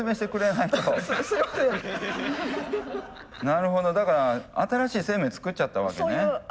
なるほどだから新しい生命を作っちゃったわけね。